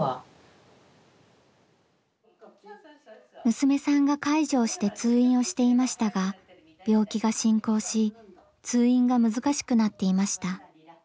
娘さんが介助をして通院をしていましたが病気が進行し通院が難しくなっていました。